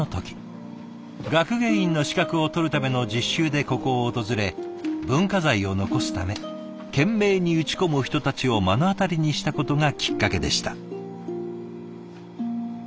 学芸員の資格を取るための実習でここを訪れ文化財を残すため懸命に打ち込む人たちを目の当たりにしたことがきっかけでした。